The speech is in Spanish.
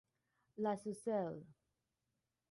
La Saucelle